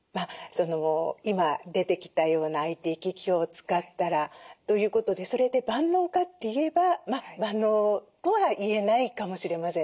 今出てきたようなＩＴ機器を使ったらということでそれで万能かといえば万能とは言えないかもしれませんね。